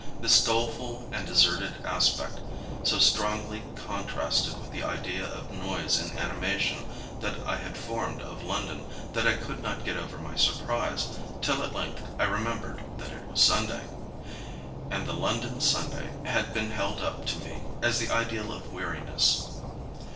This doleful and deserted 46 LONDON » aspect so strongly contrasted with the idea of noise and animation that I had formed of London that I could not get over my surprise, till at length I remembered that it was Sunday, — ^and the London Sunday had been held up to me as the ideal of weariness.